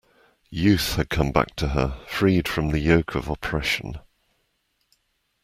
Youth had come back to her, freed from the yoke of oppression.